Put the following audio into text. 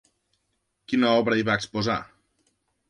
Quina obra hi va exposar?